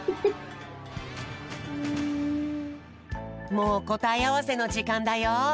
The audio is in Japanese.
もうこたえあわせのじかんだよ。